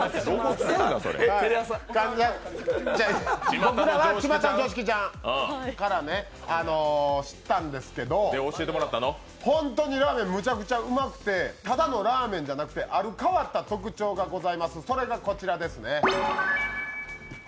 僕は「ちまたのジョーシキちゃん」から知ったんですけど本当にラーメン、むちゃくちゃうまくて、ただのラーメンじゃなくて、ある変わった特徴がございましてそれがこちらですね。